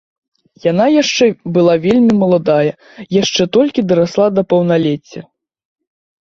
Яна яшчэ была вельмі маладая, яшчэ толькі дарасла да паўналецця.